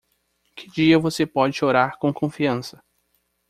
Que dia você pode chorar com confiança?